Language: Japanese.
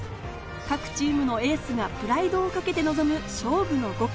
各チームのエースがプライドをかけて臨む勝負の５区。